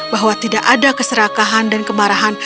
bahwa tidak ada keserakahan dan kemarahan